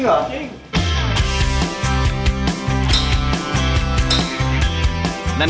เออจริงเหรอ